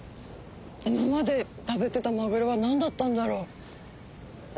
今まで食べてたマグロは何だったんだろう。